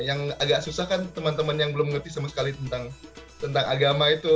yang agak susah kan teman teman yang belum mengerti sama sekali tentang agama itu